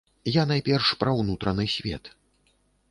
Я найперш пра ўнутраны свет.